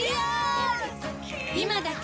今だけ！